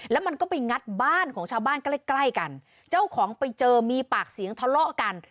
แล้วมันก็ไปงัดบ้านของชาวบ้านใกล้ใกล้กันเจ้าของไปเจอมีปากเสียงทะเลาะกัน